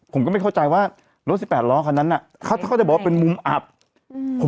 ผมก็ไม่เข้าใจว่ารถสิบแปดล้อคันนั้นอ่ะเขาถ้าเขาจะบอกว่าเป็นมุมอับอืม